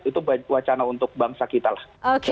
itu wacana untuk bangsa kita lah